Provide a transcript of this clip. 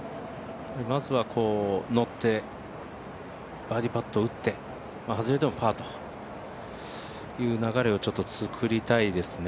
まずはのって、バーディーパットを打って外れてもパーという流れを作りたいですね。